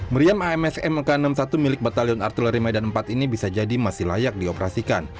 meriam ams mk enam puluh satu milik batalion artileri medan empat ini bisa jadi masih layak dioperasikan